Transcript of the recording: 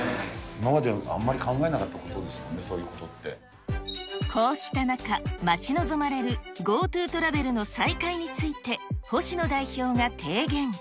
今まであんまり考えなかったこうした中、待ち望まれるＧｏＴｏトラベルの再開について、星野代表が提言。